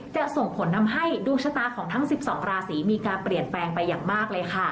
จะส่งผลทำให้ดวงชะตาของทั้ง๑๒ราศีมีการเปลี่ยนแปลงไปอย่างมากเลยค่ะ